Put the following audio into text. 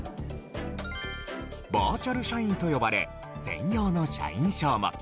バーチャル社員と呼ばれ専用の社員証も。